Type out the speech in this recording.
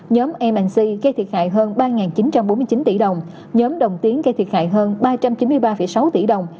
nhóm mc gây thiệt hại hơn ba chín trăm bốn mươi chín tỷ đồng nhóm đồng tiến gây thiệt hại hơn ba trăm chín mươi ba sáu tỷ đồng